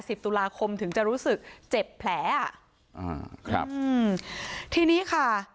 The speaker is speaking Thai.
ตุลาคมถึงจะรู้สึกเจ็บแผลอ่ะอ่าครับอืมทีนี้ค่ะ